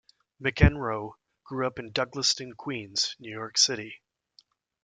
McEnroe grew up in Douglaston, Queens, New York City.